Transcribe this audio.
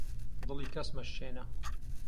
دڵی کەس مەشکێنە